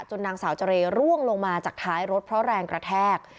นางสาวเจร่วงลงมาจากท้ายรถเพราะแรงกระแทก